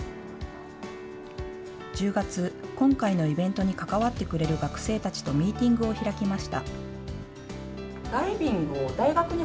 １０月、今回のイベントに関わってくれる学生たちとミーティングを開きました。